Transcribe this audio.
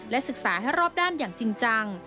ศึกษาให้รอบด้านอย่างจริงจัง